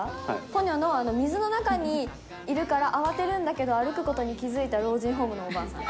ポニョの水の中にいるから、慌てるんだけれども、歩くことに気付いた老人ホームのおばあさん。